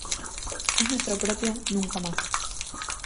Es nuestro propio 'nunca más'.